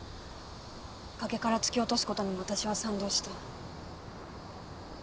崖から突き落とすことにも私は賛同した。